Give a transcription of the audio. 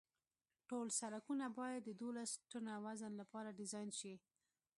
ټول سرکونه باید د دولس ټنه وزن لپاره ډیزاین شي